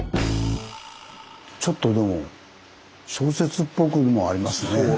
ちょっとでも小説っぽくもありますね。